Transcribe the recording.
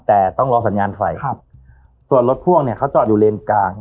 แต่ต้องรอสัญญาณไฟครับส่วนรถพ่วงเนี่ยเขาจอดอยู่เลนกลาง